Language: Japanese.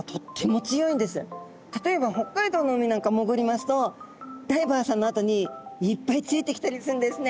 例えば北海道の海なんか潜りますとダイバーさんのあとにいっぱいついてきたりするんですね。